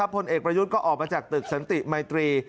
ผลเอกประยุทธ์ก็ออกมาจากตึกสันติมัยตรี